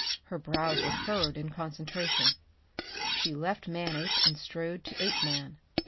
Her brows were furrowed in concentration. She left Manape and strode to Apeman.